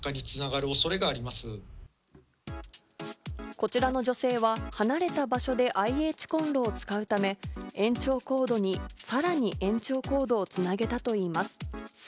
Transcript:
こちらの女性は離れた場所でＩＨコンロを使うため、延長コードにさらに延長コードをつなげたといいます。